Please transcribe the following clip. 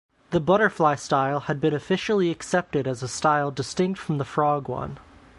The butterfly style had been officially accepted as a style distinct from the frog one.